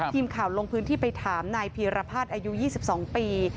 ทีมข่าวลงพื้นที่ไปถามนายพีรพัฒน์อายุ๒๒ปี